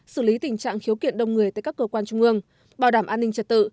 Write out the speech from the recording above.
xử lý tình trạng khiếu kiện đông người tại các cơ quan trung ương bảo đảm an ninh trật tự